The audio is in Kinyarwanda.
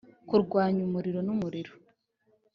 kurwanya umuriro n'umuriro